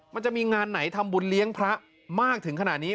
มันจะมีงานไหนทำบุญเลี้ยงพระมากถึงขนาดนี้